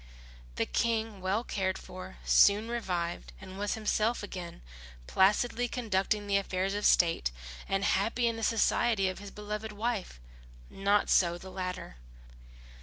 The King, well cared for, soon revived and was himself again, placidly conducting the affairs of state, and happy in the society of his beloved wife. Not so the latter.